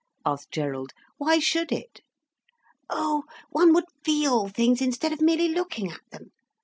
asked Gerald. "Why should it?" "Oh—one would feel things instead of merely looking at them.